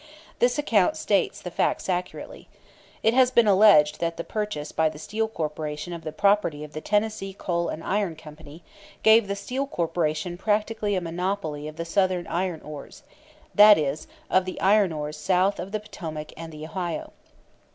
This account states the facts accurately. It has been alleged that the purchase by the Steel Corporation of the property of the Tennessee Coal and Iron Company gave the Steel Corporation practically a monopoly of the Southern iron ores that is, of the iron ores south of the Potomac and the Ohio.